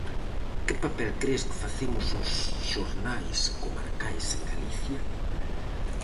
Que papel cres que facemos os xornais comarcais en Galicia?